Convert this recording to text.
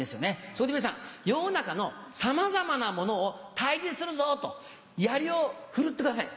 それで皆さん、世の中のさまざまなものを退治するぞと、やりを振るってください。